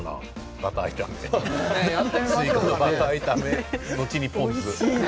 バターで炒めて後にポン酢。